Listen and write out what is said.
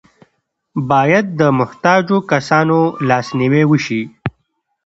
باید د محتاجو کسانو لاسنیوی وشي.